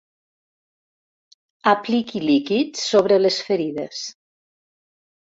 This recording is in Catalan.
Apliqui líquids sobre les ferides.